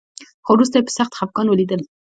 خو وروسته يې په سخت خپګان وليدل.